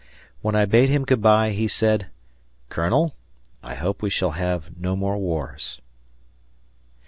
When I bade him good by, he said, "Colonel, I hope we shall have no more wars."